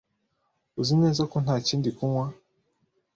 Uzi neza ko ntakindi kunywa?